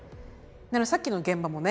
さっきの現場もね